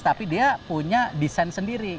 tapi dia punya desain sendiri